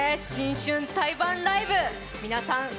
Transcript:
新春対バンライブ皆さん